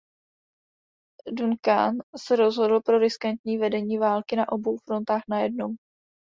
Duncan se rozhodl pro riskantní vedení války na obou frontách najednou.